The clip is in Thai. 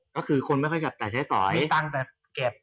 ก็คือคุณไม่ค่อยจะต่อใช้สอยมีตังแต่เก็บ